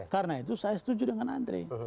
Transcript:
karena itu saya setuju dengan andre